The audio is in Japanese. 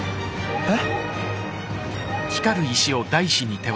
えっ？